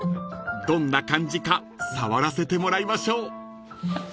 ［どんな感じか触らせてもらいましょう］